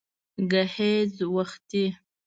گهيځ وختي